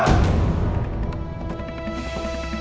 yang menjaga keamanan bapak reno